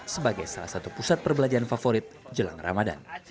sebagai salah satu pusat perbelanjaan favorit jelang ramadan